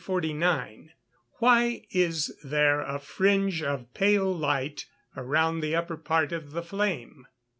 Why is there a fringe of pale light (A) _around the upper part of the flame?